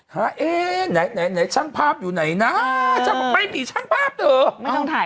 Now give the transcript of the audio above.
ให้ช่างภาพอยู่ไหนน่าช่างหลับไปหนีช่างภาพเดิม